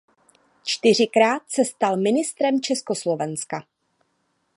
Čtyřikrát se stal mistrem Československa.